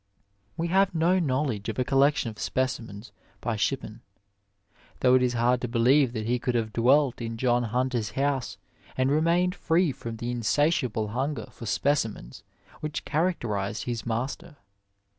We have no knowledge of a collection of specimens by Shippen, though it is hard to believe that he could have dwelt in John Hunter's house and remained free from the insatiable hunger for specimens which characterized his master.